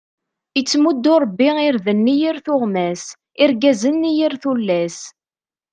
Ittemuddu ṛebbi irden i yir tuɣmas, irggazen i yir tullas.